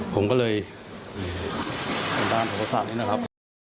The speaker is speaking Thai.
ผมก็เลยเป็นบ้านประโยชน์นี้นะครับ